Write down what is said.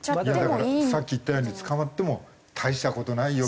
さっき言ったように「捕まっても大した事ないよ